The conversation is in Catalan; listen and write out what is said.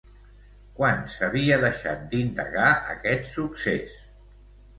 Quan s'havia deixat d'indagar aquest succés?